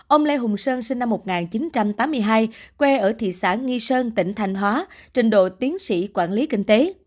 ông lê hùng sơn sinh năm một nghìn chín trăm tám mươi hai quê ở thị xã nghi sơn tỉnh thanh hóa trình độ tiến sĩ quản lý kinh tế